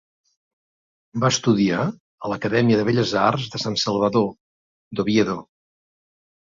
Va estudiar a l’Acadèmia de Belles Arts de Sant Salvador, d'Oviedo.